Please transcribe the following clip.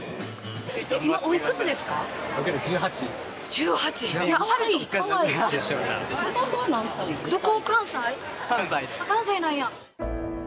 １８！関西なんや。